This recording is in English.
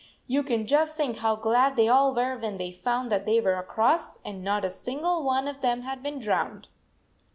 You can just think how glad they all were when they found that they were across and not a single one of them had been drowned.